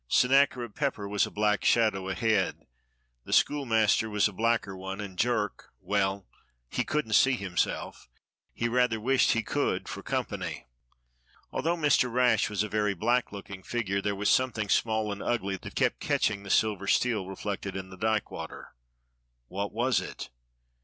Sennacherib Pepper was a black shadow ahead; the schoolmaster was a blacker one; and Jerk — well, he couldn't see himself; he rather wished he could, for company. Although Mr. Rash was a very black looking figure, there was something small and ugly that kept catch ing the silver steel reflected in the dyke water. What was it.